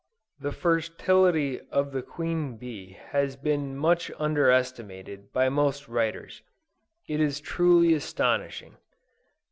The fertility of the queen bee has been much under estimated by most writers. It is truly astonishing.